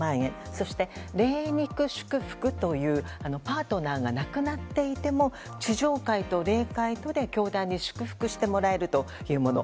そして、霊肉祝福というパートナーが亡くなっていても地上界と霊界とで教団に祝福してもらえるというもの